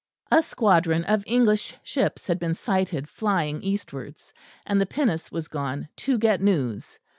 A squadron of English ships had been sighted flying eastwards; and the pinnace was gone to get news.